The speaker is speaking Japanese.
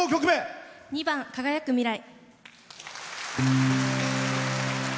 ２番「輝く未来」。